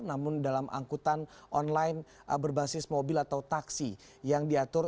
namun dalam angkutan online berbasis mobil atau taksi yang diatur